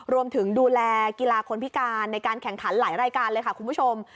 ดูแลกีฬาคนพิการในการแข่งขันหลายรายการเลยค่ะคุณผู้ชม